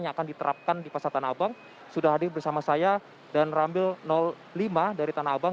yang akan diterapkan di pasar tanah abang sudah hadir bersama saya dan rambil lima dari tanah abang